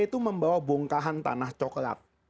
itu membawa bongkahan tanah coklat